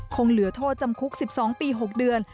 คงเหลือโทษจำคุก๑๒ปี๖เดือน